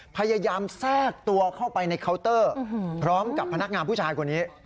พยายามแทรกตัวเข้าไปในเคาน์เตอร์พร้อมกับพนักงานผู้ชายคนนี้